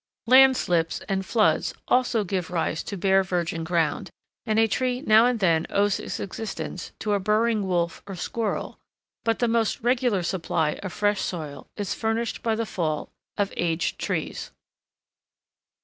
Land slips and floods also give rise to bare virgin ground; and a tree now and then owes its existence to a burrowing wolf or squirrel, but the most regular supply of fresh soil is furnished by the fall of aged trees.